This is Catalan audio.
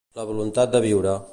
La voluntat de viure